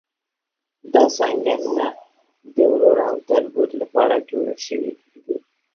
دا سنګرونه د ورور او تربور لپاره جوړ شوي دي.